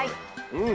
うん！